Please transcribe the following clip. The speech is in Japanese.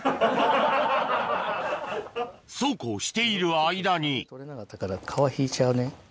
そうこうしている間に皮ひいちゃうね。